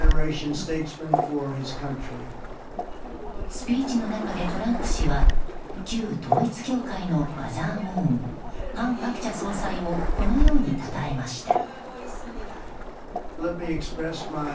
スピーチの中でトランプ氏は旧統一教会のマザームーン韓鶴子総裁をこのようにたたえました。